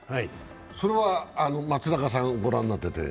それは松中さんご覧になってて。